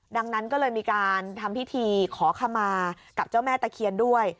ดังนั้นก็เลยมีการทำพิธีขอขมากับเจ้าแม่ตะเคียนด้วย